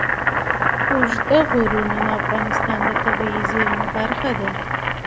اوږده غرونه د افغانستان د طبیعي زیرمو برخه ده.